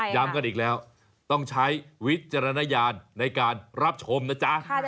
ย้ำกันอีกแล้วต้องใช้วิจารณญาณในการรับชมนะจ๊ะ